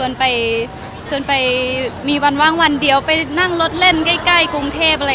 ชวนไปมีวันว่างวันเดียวไปนั่งรถเล่นใกล้ใกล้กรุงเทพอะไร